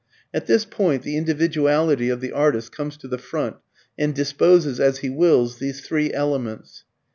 At this point the individuality of the artist comes to the front and disposes, as he wills, these three elements.